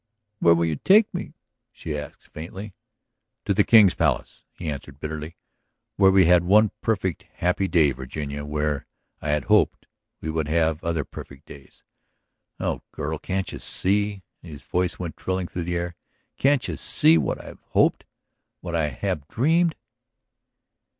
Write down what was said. "Where would you take me?" she asked faintly. "To the King's Palace," he answered bitterly. "Where we had one perfect, happy day, Virginia; where, I had hoped, we would have other perfect days. Oh, girl, can't you see," and his voice went thrilling through her, "can't you see what I have hoped, what I have dreamed.